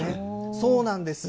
そうなんです。